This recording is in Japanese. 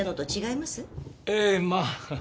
ええまあ。